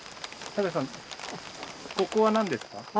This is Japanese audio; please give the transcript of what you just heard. ここは何ですか？